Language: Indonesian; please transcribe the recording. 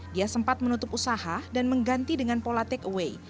dia sempat menutup usaha dan mengganti dengan pola take away